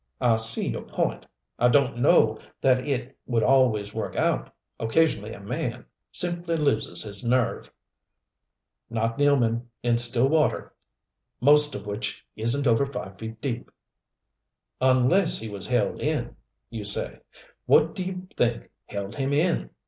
"I see your point. I don't know that it would always work out. Occasionally a man simply loses his nerve." "Not Nealman in still water, most of which isn't over five feet deep." "'Unless he was held in,' you say. What do you think held him in?"